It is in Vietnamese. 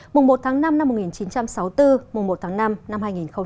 mùng một tháng năm năm một nghìn chín trăm sáu mươi bốn mùng một tháng năm năm hai nghìn hai mươi bốn